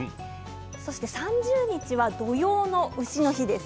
そして３０日は土用の丑の日です。